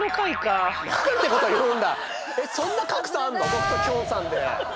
僕ときょんさんで。